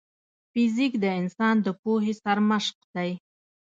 فزیک د انسان د پوهې سرمشق دی.